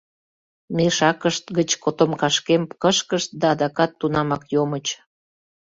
Мешакышт гыч котомкашкем кышкышт да адакат тунамак йомыч.